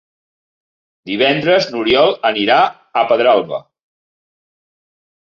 Divendres n'Oriol anirà a Pedralba.